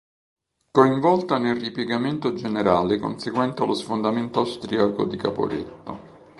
Coinvolta nel ripiegamento generale conseguente allo sfondamento austriaco di Caporetto.